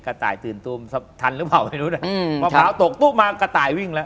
ต่ายตื่นตูมทันหรือเปล่าไม่รู้นะอืมมะพร้าวตกตุ๊บมากระต่ายวิ่งแล้ว